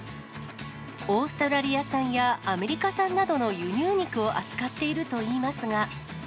オーストラリア産やアメリカ産などの輸入肉を扱っているといいますが。